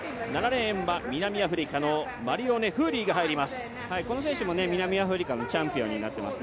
７レーンは南アフリカのマリオネ・フーリーが入ります。